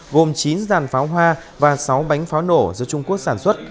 gồm chín dàn pháo hoa và sáu bánh pháo nổ do trung quốc sản xuất